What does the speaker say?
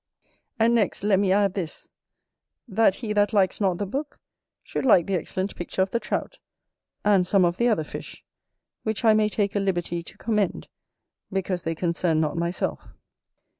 And next let me add this, that he that likes not the book, should like the excellent picture of the Trout, and some of the other fish, which I may take a liberty to commend, because they concern not myself.